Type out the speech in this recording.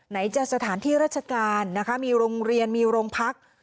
ไหนจากสถานที่ราชการมีโรงเรียนมีโรงพักษ์